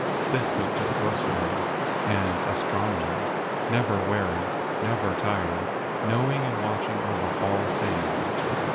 This was the sorcerer and as¬ tronomer, never weary, never tired, knowing and watching over all things.